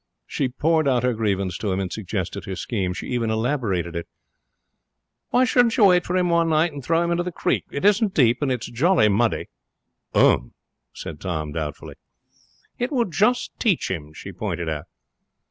She poured out her grievance to him and suggested her scheme. She even elaborated it. 'Why shouldn't you wait for him one night and throw him into the creek? It isn't deep, and it's jolly muddy.' 'Um!' said Tom, doubtfully. 'It would just teach him,' she pointed out.